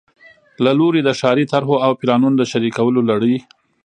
له لوري د ښاري طرحو او پلانونو د شریکولو لړۍ